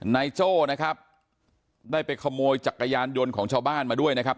โจ้นะครับได้ไปขโมยจักรยานยนต์ของชาวบ้านมาด้วยนะครับ